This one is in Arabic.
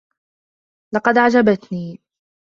لقد أعجبتني.